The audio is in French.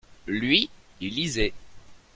lui, il lisait.